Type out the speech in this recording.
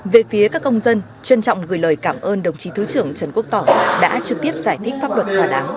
về phía các công dân trân trọng gửi lời cảm ơn đồng chí thứ trưởng trần quốc tỏ đã trực tiếp giải thích pháp luật thỏa đáng